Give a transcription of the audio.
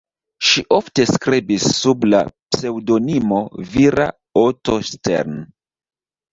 Ŝi ofte skribis sub la pseŭdonimo vira "Otto Stern".